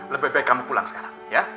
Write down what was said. lebih baik kamu pulang sekarang